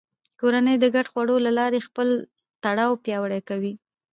کورنۍ د ګډو خوړو له لارې خپل تړاو پیاوړی کوي